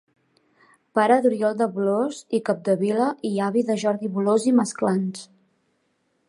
Pare d'Oriol de Bolòs i Capdevila i avi de Jordi Bolòs i Masclans.